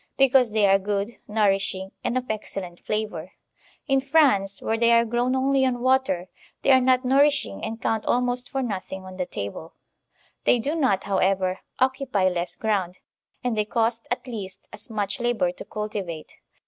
Because they are good, nourishing, and of excellent flavor. In France, where they are grown only on water, they are not nourishing and count almost for nothing on the table; they do not, however, occupy less ground, and they cost at least as much labor to cultivate.